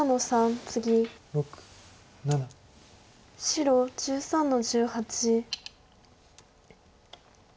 白１３の十八。